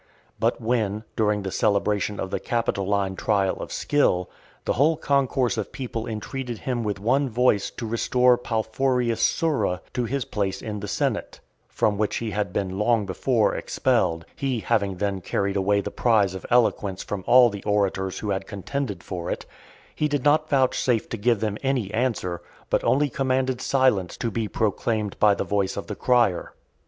But when, during the celebration of the Capitoline trial of skill, the whole concourse of people entreated him with one voice to restore Palfurius Sura to his place in the senate, from which he had been long before expelled he having then carried away the prize of eloquence from all the orators who had contended for it, he did not vouchsafe to give them any answer, but only commanded silence to be proclaimed by the voice of the crier.